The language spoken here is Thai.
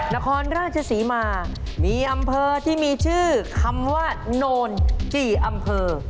นครราชศรีมามีอำเภอที่มีชื่อคำว่าโนนกี่อำเภอ